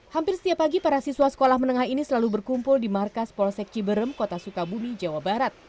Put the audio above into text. hampir setiap pagi para siswa sekolah menengah ini selalu berkumpul di markas polsek ciberem kota sukabumi jawa barat